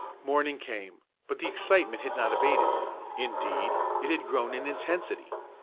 Morning came, but the excitement had not abated, indeed, it had grown in intensity.